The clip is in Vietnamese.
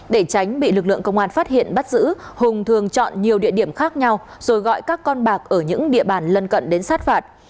để tránh bị lực lượng công an phát hiện bắt giữ hùng thường chọn nhiều địa điểm khác nhau rồi gọi các con bạc ở những địa bàn lân cận đến sát phạt